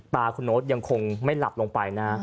ตาคุณโน๊ตยังคงไม่หลับลงไปนะ